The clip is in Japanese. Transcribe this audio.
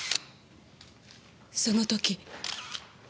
その時。